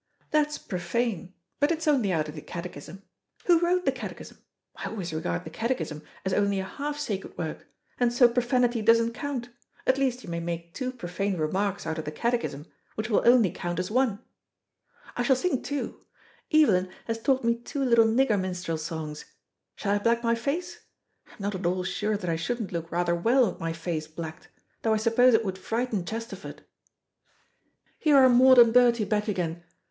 That's profane, but it's only out of the Catechism. Who wrote the Catechism? I always regard the Catechism as only a half sacred work, and so profanity doesn't count, at least you may make two profane remarks out of the Catechism, which will only count as one. I shall sing, too. Evelyn has taught me two little nigger minstrel songs. Shall I black my face? I'm not at all sure that I shouldn't look rather well with my face blacked, though I suppose it would frighten Chesterford. Here are Maud and Bertie back again.